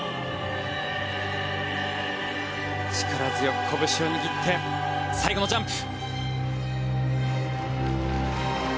力強く拳を握って最後のジャンプ！